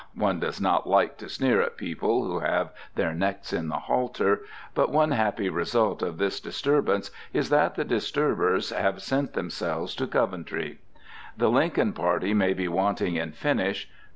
one does not like to sneer at people who have their necks in the halter; but one happy result of this disturbance is that the disturbers have sent themselves to Coventry. The Lincoln party may be wanting in finish.